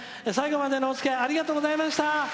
最後までのおつきあいありがとうございました！